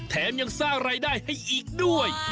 ยังสร้างรายได้ให้อีกด้วย